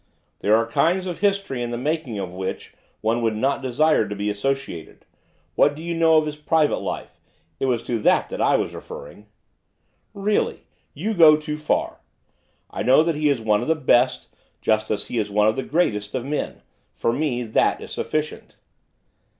'There are kinds of history in the making of which one would not desire to be associated. What do you know of his private life, it was to that that I was referring.' 'Really, you go too far. I know that he is one of the best, just as he is one of the greatest, of men; for me, that is sufficient.